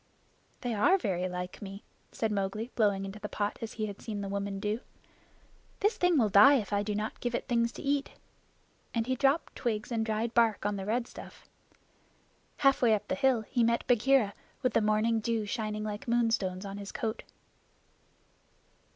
"They are very like me," said Mowgli, blowing into the pot as he had seen the woman do. "This thing will die if I do not give it things to eat"; and he dropped twigs and dried bark on the red stuff. Halfway up the hill he met Bagheera with the morning dew shining like moonstones on his coat.